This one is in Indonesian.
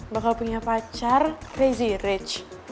bakal punya pacar rizy rich